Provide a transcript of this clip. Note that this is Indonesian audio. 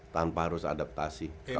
tanpa harus adaptasi